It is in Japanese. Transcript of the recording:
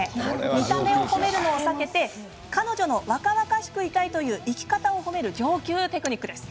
見た目を褒めるのを避け彼女の若々しくいたいという生き方を褒める上級テクニックです！